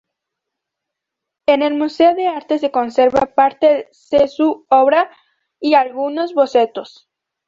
En el Museo de Arte se conserva parte se su obra y algunos bocetos.